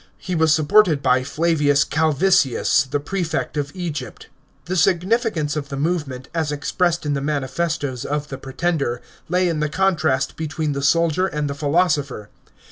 He was supported by Flavins Calvisius, the prefect of Egypt. The significance of the movement, as expressed in the manifestoes of the pretender, lay in the contrast between the soldier and the philosopher.